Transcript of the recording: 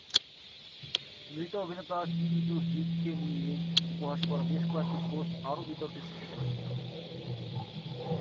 মৃত অভিনেতা কিম জু-হিউককে নিয়ে উপহাস করা বেশ কয়েকটি পোস্ট আরও বিতর্কের সৃষ্টি করেছিল।